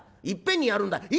いっぺんにやるんだ」。